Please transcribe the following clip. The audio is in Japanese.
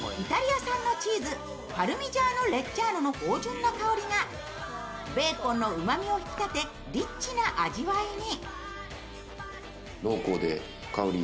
イタリア産のチーズ、パルミジャーノ・レッジャーノの芳じゅんな香りがベーコンのうまみを引き立てリッチな味わいに。